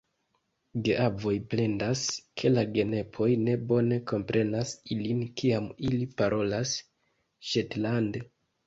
Geavoj plendas, ke la genepoj ne bone komprenas ilin kiam ili parolas ŝetlande.